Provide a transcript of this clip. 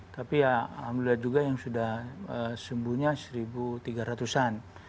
tapi ya alhamdulillah juga yang sudah sembuhnya satu tiga ratus an